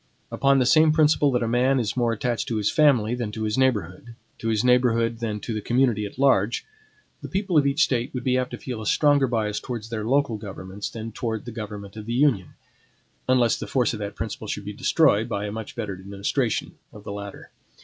Upon the same principle that a man is more attached to his family than to his neighborhood, to his neighborhood than to the community at large, the people of each State would be apt to feel a stronger bias towards their local governments than towards the government of the Union; unless the force of that principle should be destroyed by a much better administration of the latter.